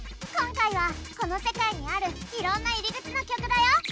今回はこの世界にあるいろんな入り口の曲だよ。